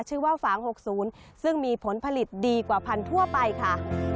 ฝาง๖๐ซึ่งมีผลผลิตดีกว่าพันธุ์ทั่วไปค่ะ